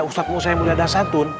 ustadz musa yang mulia dan santun